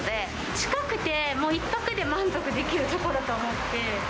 近くて１泊で満足できる所と思って。